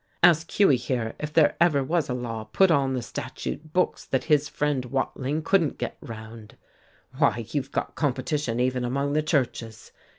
Ask Hughie here if there ever was a law put on the statute books that his friend Watling couldn't get 'round'? Why, you've got competition even among the churches.